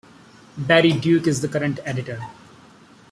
Barry Duke is the current editor.